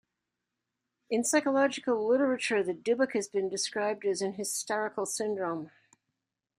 In psychological literature the Dybbuk has been described as an hysterical syndrome.